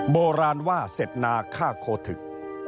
โบราณว่าเสร็จนาฆ่าโคทึก